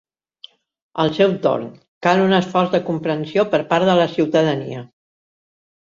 Al seu torn, cal un esforç de comprensió per part de la ciutadania.